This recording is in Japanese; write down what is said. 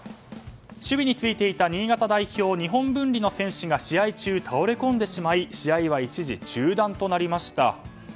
守備についていた新潟代表日本文理の選手が試合中、倒れ込んでしまい試合は一時中断となりました。